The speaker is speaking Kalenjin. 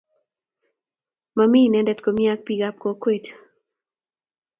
Mami inendet komnye ak bik ab kokwet.